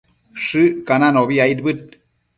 Shëccananobi aidbëd